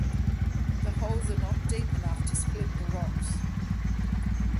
The holes are not deep enough to split the rocks.